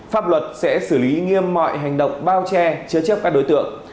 pháp luật sẽ xử lý nghiêm mọi hành động bao che chứa chấp các đối tượng